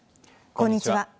こんにちは。